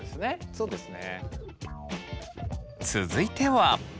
そうですね。